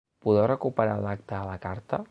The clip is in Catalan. Podeu recuperar l’acte a la carta.